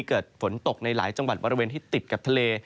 เกิดฝนตกในหลายจังหวัดบริเวณที่ติดกับทะเล